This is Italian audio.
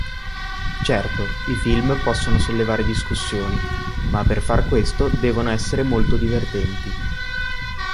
Certo, i film possono sollevare discussioni, ma per far questo devono essere molto divertenti.